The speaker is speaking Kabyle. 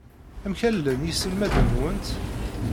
Amek ay llan yiselmaden-nwent?